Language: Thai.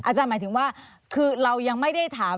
หมายถึงว่าคือเรายังไม่ได้ถาม